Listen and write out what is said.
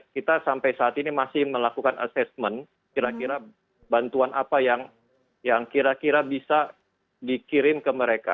kita sampai saat ini masih melakukan assessment kira kira bantuan apa yang kira kira bisa dikirim ke mereka